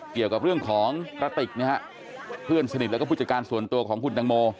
เกี่ยวกับเรื่องของกระติกนะฮะเพื่อนสนิทแล้วก็ผู้จัดการส่วนตัวของคุณตังโม